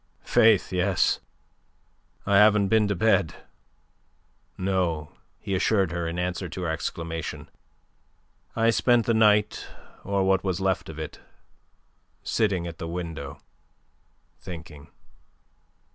"Faith, yes. I haven't been to bed. No," he assured her, in answer to her exclamation. "I spent the night, or what was left of it, sitting at the window thinking."